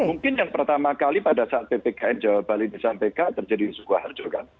mungkin yang pertama kali pada saat ppkm jawab balik di smpk terjadi suku harjur kan